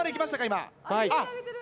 今。